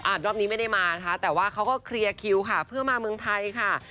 รอบนี้ไม่ได้มานะคะแต่ว่าเขาก็เคลียร์คิวค่ะเพื่อมาเมืองไทยค่ะ